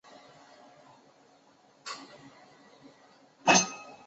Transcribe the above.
尖叶假龙胆为龙胆科假龙胆属下的一个种。